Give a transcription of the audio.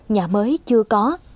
nhà mới chưa có